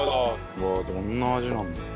うわあどんな味なんだろう。